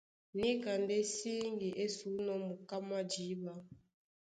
Níka ndé síŋgi é sǔnɔ́ muká mwá jǐɓa.